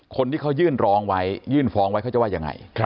คนที่เขายื่นร้องไว้ยื่นฟ้องไว้เขาจะว่ายังไง